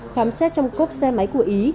khám xét trong cốp xe máy của ý